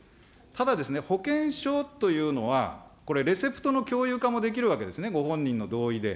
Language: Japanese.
ただですね、保険証というのはこれレセプトの共有化もできるわけですね、ご本人の同意で。